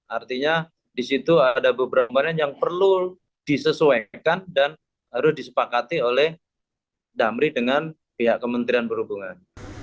artinya di situ ada beberapa varian yang perlu disesuaikan dan harus disepakati oleh damri dengan pihak kementerian perhubungan